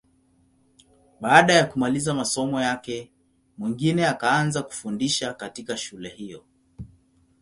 Baada ya kumaliza masomo yake, Mwingine akaanza kufundisha katika shule hiyo.